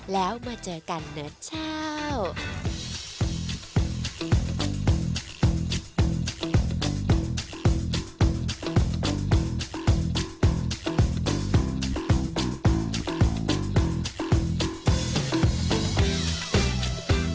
แล้วมาเจอกันเนื้อเจ้า